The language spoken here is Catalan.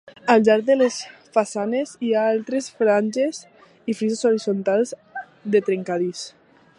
Al llarg de les façanes hi ha altres franges i frisos horitzontals de trencadís.